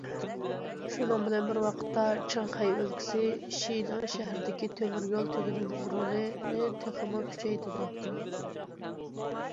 شۇنىڭ بىلەن بىر ۋاقىتتا، چىڭخەي ئۆلكىسى شىنىڭ شەھىرىدىكى تۆمۈر يول تۈگۈنىنىڭ رولىنى تېخىمۇ كۈچەيتىدۇ.